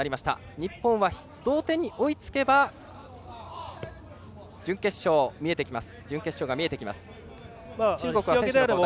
日本は同点に追いつけば準決勝が見えてきます。